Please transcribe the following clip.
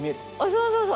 そうそうそう。